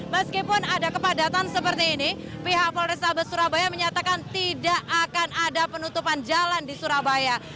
meskipun ada kepadatan seperti ini pihak polrestabes surabaya menyatakan tidak akan ada penutupan jalan di surabaya